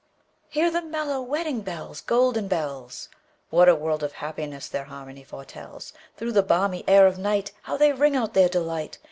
Hear the mellow wedding bells, Golden bells! What a world of happiness their harmony foretells! Through the balmy air of nightHow they ring out their delight!